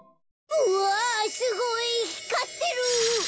うわすごいひかってる！